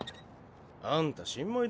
あんた新米だな？